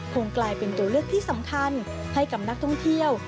กลายเป็นตัวเลือกที่สำคัญให้กับนักท่องเที่ยว